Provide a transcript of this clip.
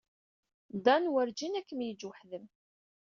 Dan werǧin ad kem-yeǧǧ weḥd-m.